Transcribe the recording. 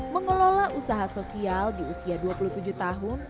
mengelola usaha sosial di usia dua puluh tujuh tahun